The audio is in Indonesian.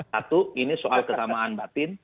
satu ini soal kesamaan batin